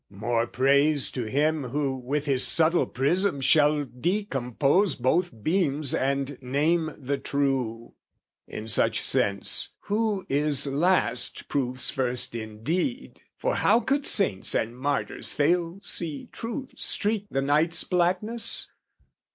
More praise to him who with his subtle prism Shall decompose both beams and name the true. In such sense, who is last proves first indeed; For how could saints and martyrs fail see truth Streak the night's blackness?